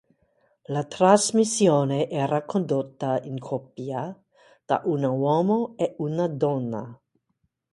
La trasmissione era condotta in coppia da un uomo e una donna.